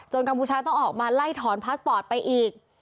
กัมพูชาต้องออกมาไล่ถอนพาสปอร์ตไปอีก